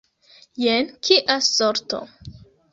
Jen kia sorto!